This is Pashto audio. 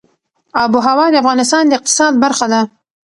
آب وهوا د افغانستان د اقتصاد برخه ده.